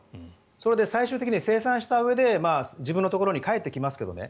それで最終的に清算したうえで自分のところに返ってきますけどね。